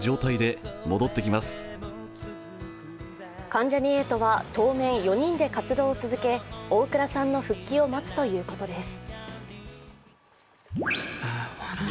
関ジャニ∞は当面４人で活動を続け、大倉さんの復帰を待つということです。